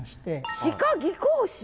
歯科技工士？